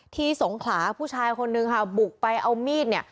ที่สงขลาผู้ชายคนนึงบุกไปเอามีด